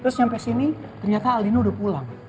terus sampai sini ternyata aldino udah pulang